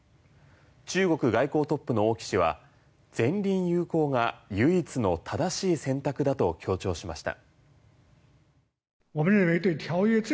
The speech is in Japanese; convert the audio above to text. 中国外交トップの王毅氏は善隣友好が唯一の正しい選択だと強調しました。